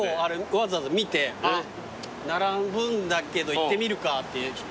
わざわざ見て並ぶんだけど行ってみるかって結構一人で。